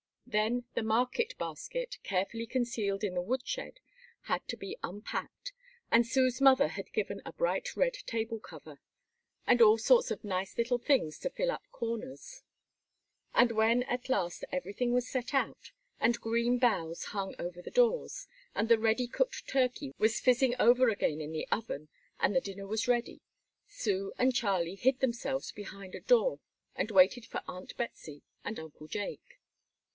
Then the market basket, carefully concealed in the wood shed, had to be unpacked, and Sue's mother had given a bright red table cover, and all sorts of nice little things to fill up corners; and when at last everything was set out, and green boughs hung over the doors, and the ready cooked turkey was fizzing over again in the oven, and the dinner was ready, Sue and Charlie hid themselves behind a door and waited for Aunt Betsey and Uncle Jake.